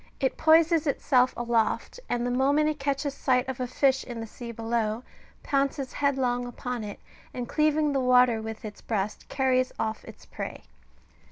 It poises itself aloft, and the moment it catches sight of a fish in the sea below, pounces headlong upon it, and cleaving the water with its breast, carries off its prey.